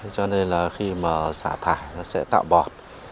cho nên khi xả thải sẽ tạo bọt